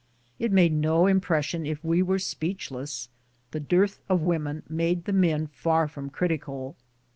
It made no impression if we were speechless — the dearth of women made the men far from critical.